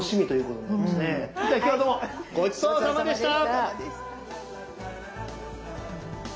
ごちそうさまでした。